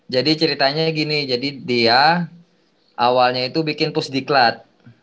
jadi ceritanya gini jadi dia awalnya itu bikin pusdiklat